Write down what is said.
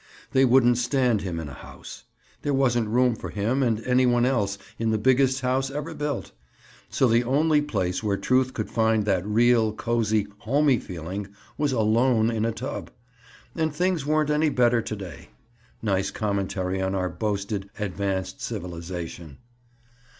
They wouldn't stand him in a house. There wasn't room for him and any one else in the biggest house ever built. So the only place where truth could find that real, cozy, homey feeling was alone in a tub. And things weren't any better to day. Nice commentary on our boasted "advanced civilization!"